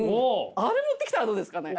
あれ持ってきたらどうですかね？